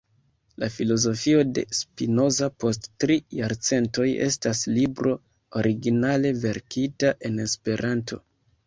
La Filozofio de Spinoza post Tri Jarcentoj estas libro originale verkita en Esperanto.